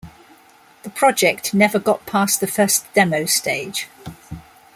The project never got past the first demo stage.